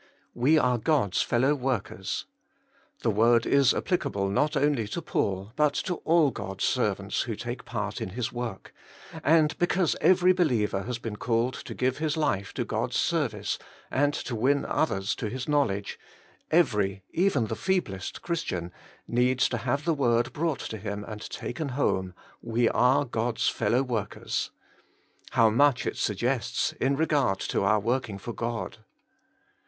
' We are God's fellow workers.' The word is applicable not only to Paul, but to all God's servants who take part in His work ; and because every be 123 124 Working for God liever has been called to give his life to God's service and to win others to His knowledge, every, even the feeblest, Chris tian needs to have the word brought to him and taken home :* We are God's fellow workers.' How much it suggests in regard to our working for God